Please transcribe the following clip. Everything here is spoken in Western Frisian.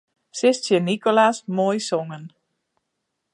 Sis tsjin Nicolas: Moai songen.